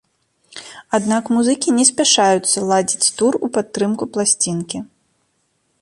Аднак музыкі не спяшаюцца ладзіць тур у падтрымку пласцінкі.